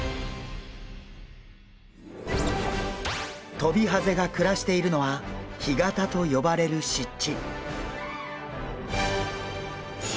トビハゼが暮らしているのは干潟と呼ばれる湿地。